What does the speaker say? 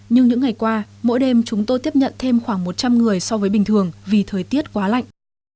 nhưng những ngày qua mỗi đêm chúng tôi tiếp nhận thêm khoảng một trăm linh người so với bình thường vì thời tiết quá lạnh